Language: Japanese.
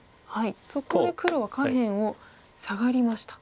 そこで黒は下辺をサガりました。